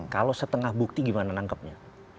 kalau setengah bukti gimana menangkapnya